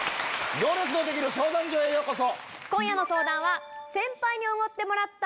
『行列のできる相談所』へようこそ。